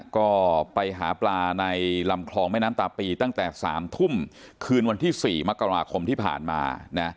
ก็ไปหาปลาในลำคลองแม่น้ำตาปีตั้งแต่๓ทุ่มคืนวันที่๔มกราคมที่ผ่านมา